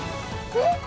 えっ？